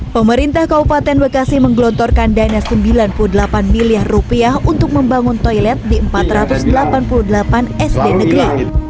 pemerintah kabupaten bekasi menggelontorkan dana sembilan puluh delapan miliar rupiah untuk membangun toilet di empat ratus delapan puluh delapan sd negeri